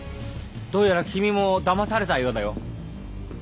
どうやら君もだまされたようだよ。